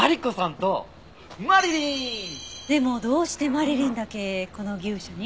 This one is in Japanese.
でもどうしてマリリンだけこの牛舎に？